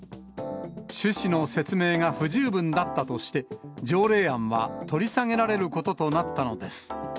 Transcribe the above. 趣旨の説明が不十分だったとして、条例案は取り下げられることとなったのです。